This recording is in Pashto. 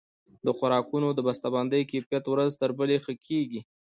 د خوراکونو د بسته بندۍ کیفیت ورځ تر بلې ښه کیږي.